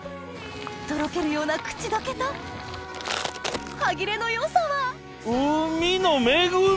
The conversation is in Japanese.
とろけるような口溶けと歯切れの良さは海の恵み！